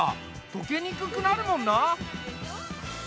溶けにくくなるもんな。